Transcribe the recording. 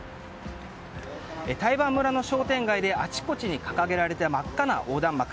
台盤村の商店街であちこちに掲げられた真っ赤な横断幕。